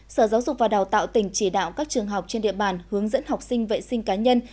sở giáo dục và đào tạo tỉnh chỉ đạo các trường học trên địa bàn hướng dẫn học sinh vệ sinh cá nhân